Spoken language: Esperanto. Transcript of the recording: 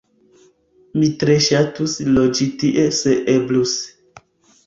Mi tre ŝatus loĝi tie se eblus